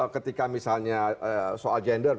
ketika misalnya soal gender